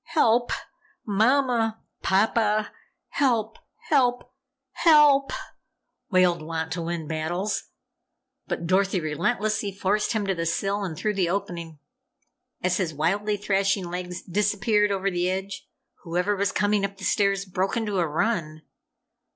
Help! Mama! Papa! Help! Help! HELP!" wailed Wantowin Battles. But Dorothy relentlessly forced him to the sill and through the opening. As his wildly thrashing legs disappeared over the edge, whoever was coming up the stairs, broke into a run.